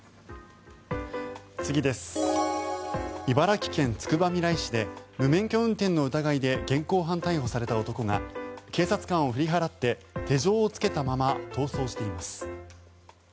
茨城県つくばみらい市で無免許運転の疑いで現行犯逮捕された男が警察官を振り払って手錠をつけたまま逃走しています。